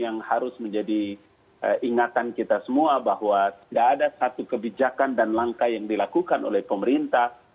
yang harus menjadi ingatan kita semua bahwa tidak ada satu kebijakan dan langkah yang dilakukan oleh pemerintah